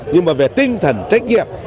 nhưng mà về tinh thần trách nhiệm